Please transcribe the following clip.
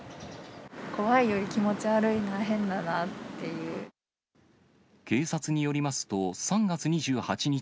怖いよりも、気持ち悪い、警察によりますと、３月２８日